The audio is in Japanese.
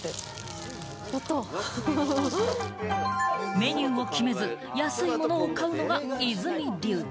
メニューを決めず、安いものを買うのが和泉流。